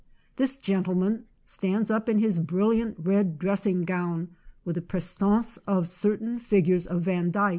This gentleman stands up in his brilliant red dressing gown with the prestance of cer tain figures of Vandyck.